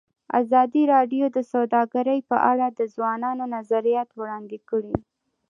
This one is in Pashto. ازادي راډیو د سوداګري په اړه د ځوانانو نظریات وړاندې کړي.